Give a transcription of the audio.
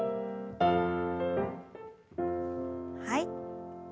はい。